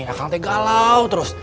akang te galau terus